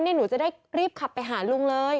หนูจะได้รีบขับไปหาลุงเลย